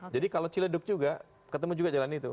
jadi kalau ciledug juga ketemu juga jalan itu